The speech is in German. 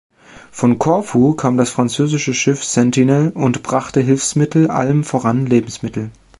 Von Korfu kam das französische Schiff "Sentinelle" und brachte Hilfsmittel, allem voran Lebensmittel.